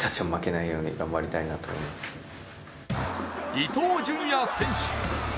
伊東純也選手。